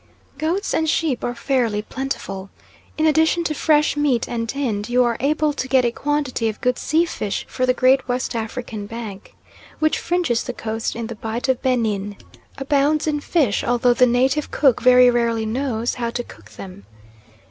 Goats and sheep are fairly plentiful. In addition to fresh meat and tinned you are able to get a quantity of good sea fish, for the great West African Bank, which fringes the coast in the Bight of Benin, abounds in fish, although the native cook very rarely knows how to cook them.